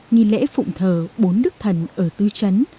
nghi lễ phụng thờ bốn đức thần ở tư chấn